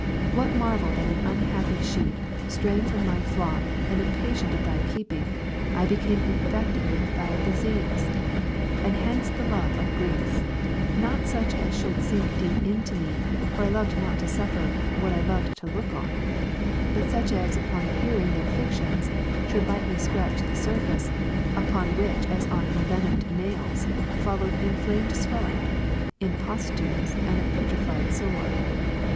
What marvel that an unhappy sheep, straying from Thy flock, and impatient of Thy keeping, I became infected with a foul disease ? And hence the love of griefs ; not such as should sink deep into me ; for I loved not to suffer, what I loved to look on ; but such as upon hearing their fictions should lightly scratch the surface ; upon which as on envenomed nails, followed inflamed swelling, impostumes, and a putrified sore.